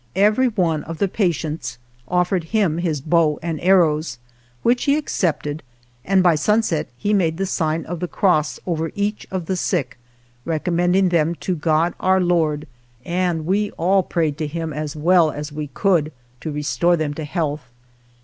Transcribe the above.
Every one of the patients offered him his bow and arrows, which he accepted, and by sunset he made the sign of the cross over each of the sick, recommending them to God, Our Lord, and we all prayed to Him as well as we could to restore them to health.